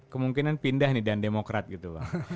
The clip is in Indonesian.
kemungkinan pindah nih dan demokrat gitu